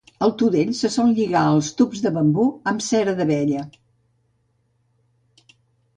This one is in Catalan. El tudell se sol lligar als tubs de bambú amb cera d'abella.